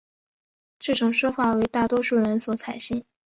这种说法为大多数人所采信。